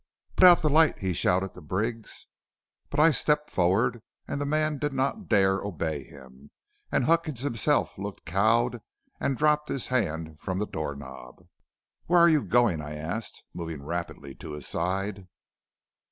"'Put out the light!' he shouted to Briggs. "But I stepped forward, and the man did not dare obey him, and Huckins himself looked cowed and dropped his hand from the door knob. "'Where are you going?' I asked, moving rapidly to his side.